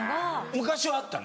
昔はあったの？